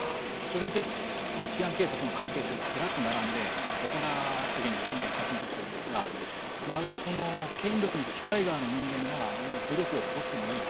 それで治安警察の関係者がずらっと並んで誇らしげに写真を撮ってるんですがまるで権力に近い側の人間はもう武力を誇ってもいい。